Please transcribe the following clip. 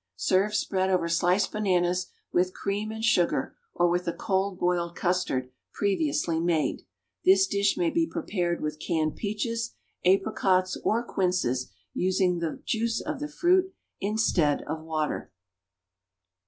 Serve spread over sliced bananas, with cream and sugar, or with a cold boiled custard, previously made. This dish may be prepared with canned peaches, apricots or quinces, using the juice of the fruit instead of water.